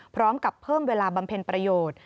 พร้อมกับเพิ่มเวลาบำเพ็ญประโยชน์